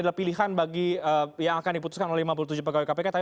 apa niat baik kapolri ini